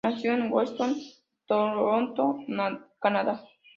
Nació en Weston, Toronto, Canadá.